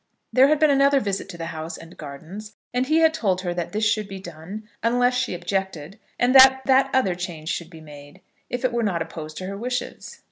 There had been another visit to the house and gardens, and he had told her that this should be done, unless she objected; and that that other change should be made, if it were not opposed to her wishes.